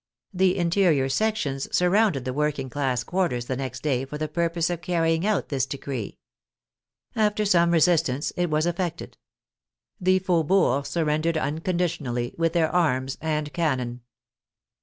The interior sections surrounded the working class quarters the next day for the purpose of carrying out this decree. After some resistance it was effected. The faubourgs surrendered unconditionally with their arms and cannon.